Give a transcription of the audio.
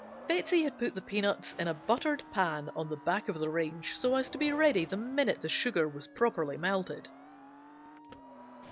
Betsey had put the peanuts in a buttered pan on the back of the range so as to be ready the minute the sugar was properly melted.